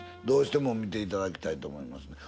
どうしても見ていただきたいと思います。